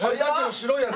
白いやつ？